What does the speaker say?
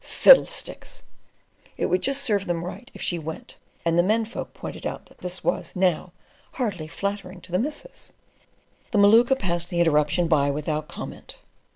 "Fiddlesticks!" It would just serve them right if she went; and the men folk pointed out that this was, now, hardly flattering to the missus. The Maluka passed the interruption by without comment.